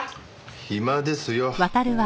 暇ですよ。